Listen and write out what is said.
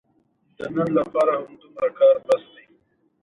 د ډېرې مودې وروسته یو ځای شول.